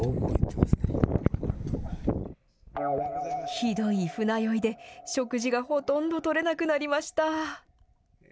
ひどい船酔いで、食事がほとんどとれなくなりました。